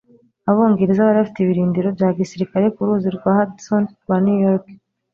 abongereza bari bafite ibirindiro bya gisirikare ku ruzi rwa hudson rwa new york